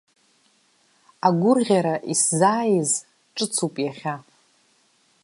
Агәырӷьара исзааиз ҿыцуп иахьа!